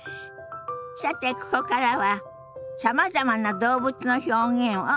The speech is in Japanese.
さてここからはさまざまな動物の表現をご紹介しましょ。